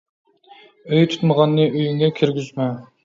ئۆي تۇتمىغاننى ئۆيۈڭگە كىرگۈزمە